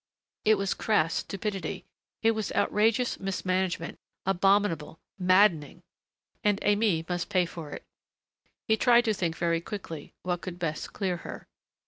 It was crass stupidity. It was outrageous mismanagement, abominable, maddening.... And Aimée must pay for it. He tried to think very quickly what could best clear her.